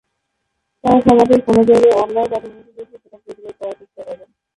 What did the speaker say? তারা সমাজের কোনো জায়গায় অন্যায়/দূর্নীতি দেখলে সেটা প্রতিরোধ করার চেষ্টা করে।